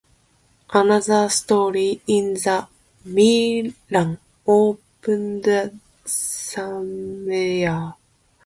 Another store in Milan opened that same year.